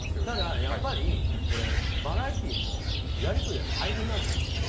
ただ、バラエティーもやりくりは大変なんですよ。